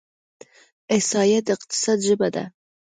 احصایه د اقتصاد ژبه ده.